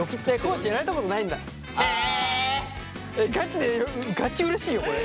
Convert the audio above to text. ガチでガチうれしいよこれ。